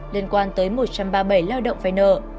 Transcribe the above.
liên quan tới một trăm ba mươi bảy lao động phải nợ